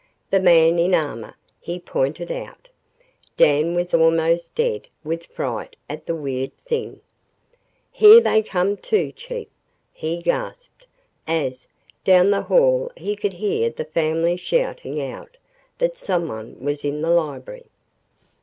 "The man in armor!" he pointed out. Dan was almost dead with fright at the weird thing. "Here they come, too, Chief," he gasped, as, down the hall he could hear the family shouting out that someone was in the library.